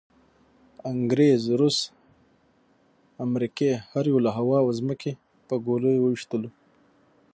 انګریز، روس، امریکې هر یوه له هوا او ځمکې په ګولیو وویشتلو.